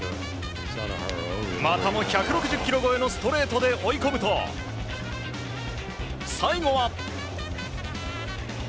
またも１６０キロ超えのストレートで追い込むと最後は。